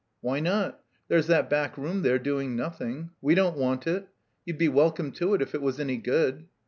"Why not? There's that back room there doing nothing. We don't want it. You'd be welcome to it if it was any good."